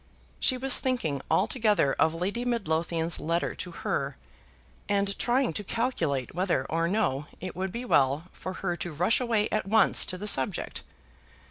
She was thinking altogether of Lady Midlothian's letter to her, and trying to calculate whether or no it would be well for her to rush away at once to the subject.